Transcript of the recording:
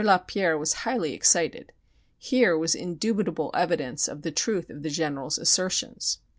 Lapierre was highly excited. Here was indubitable evidence of the truth of the General's assertions.